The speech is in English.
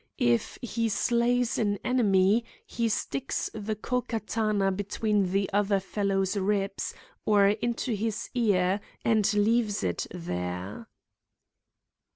If he slays an enemy he sticks the Ko Katana between the other fellow's ribs, or into his ear, and leaves it there."